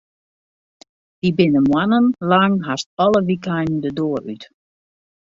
Wy binne moannen lang hast alle wykeinen de doar út.